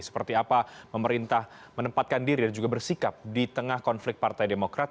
seperti apa pemerintah menempatkan diri dan juga bersikap di tengah konflik partai demokrat